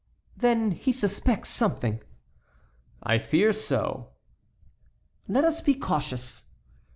"Then he suspects something." "I fear so." "Let us be cautious."